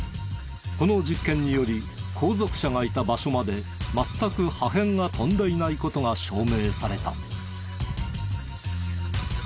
この実験により後続車がいた場所まで全く破片が飛んでいない事が証明された。